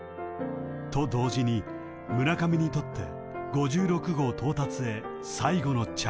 ［と同時に村上にとって５６号到達へ最後のチャンス］